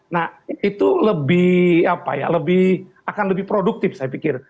nah itu lebih apa ya akan lebih produktif saya pikir